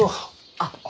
あっ。